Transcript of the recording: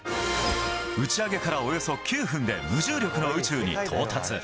打ち上げからおよそ９分で無重力の宇宙に到達。